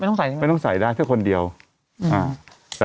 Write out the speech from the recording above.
ต้องใส่ใช่ไหมไม่ต้องใส่ได้แค่คนเดียวอ่า